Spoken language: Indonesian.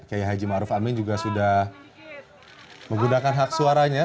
kayak haji maruf amin juga sudah menggunakan hak suaranya